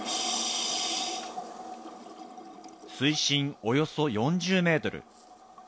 水深およそ４０メートル。